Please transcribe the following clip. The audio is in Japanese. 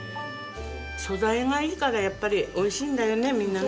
素材がいいからやっぱりおいしいんだよねみんなね。